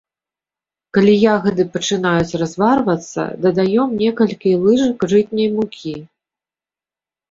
Калі ягады пачынаюць разварвацца, дадаём некалькі лыжак жытняй мукі.